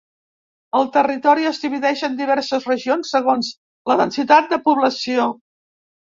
El territori es divideix en diverses regions segons la densitat de població.